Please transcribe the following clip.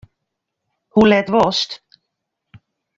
Hoe let wolst?